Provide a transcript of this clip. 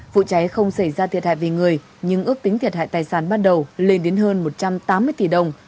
vụ cháy không xảy ra thiệt hại về người nhưng ước tính thiệt hại tài sản ban đầu lên đến hơn một trăm tám mươi tỷ đồng